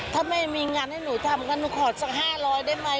ถ้าไม่มีงานให้หนูทำก็หนูขอสัก๕๐๐ได้ไหม